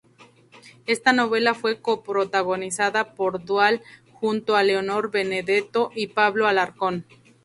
Esta novela fue coprotagonizada por Dual junto a Leonor Benedetto y Pablo Alarcón.